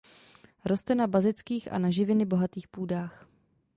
Roste na bazických a na živiny bohatých půdách.